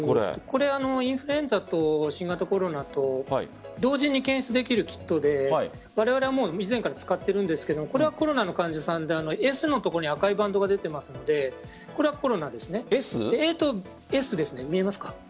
インフルエンザと新型コロナと同時に検出できるキットでわれわれは以前から使っているんですがこれはコロナの患者さんでＳのところに赤いバンドが出ていますのでこれはコロナです。